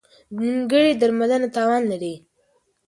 نیمګړې درملنه تاوان لري.